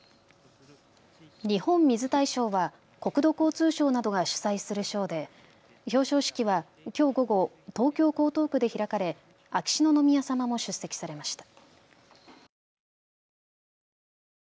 日本水大賞は国土交通省などが主催する賞で表彰式はきょう午後、東京江東区で開かれ秋篠宮さまも出席されました。